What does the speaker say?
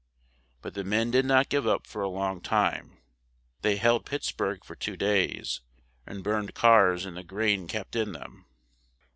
But the men did not give up for a long time; they held Pitts burg for two days, and burned cars and the grain kept in them.